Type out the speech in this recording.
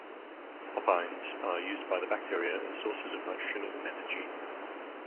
Opines are used by the bacteria as sources of nitrogen and energy.